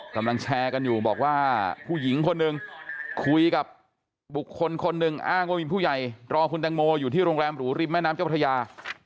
กำลังแชร์กันอยู่บอกว่าผู้หญิงคนหนึ่งคุยกับบุคคลคนหนึ่งอ้างว่ามีผู้ใหญ่รอคุณแตงโมอยู่ที่โรงแรมหรูริมแม่น้ำเจ้าพระยา